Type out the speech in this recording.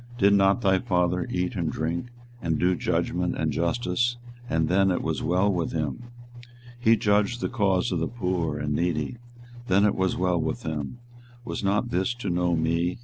did not thy father eat and drink, and do judgment and justice, and then it was well with him? 24:022:016 He judged the cause of the poor and needy; then it was well with him: was not this to know me?